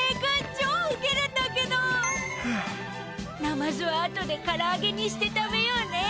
ナマズは後でからあげにして食べようね。